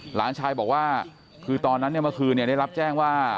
หลานชายบอกว่าคือตอนนั้นเนี่ยเมื่อคืนได้รับแจ้งว่า